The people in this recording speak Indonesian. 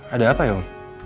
ada apa ya om